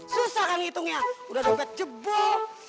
susah kan ngitungnya udah dapet jebok